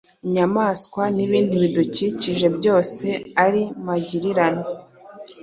inyamaswa n’ibindi bidukikije byose ari magirirane.